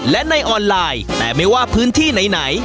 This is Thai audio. และในออนไลน์แต่ไม่ว่าพื้นที่ไหน